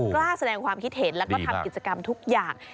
กล้าแสดงความคิดเห็นแล้วก็ทำกิจกรรมทุกอย่าง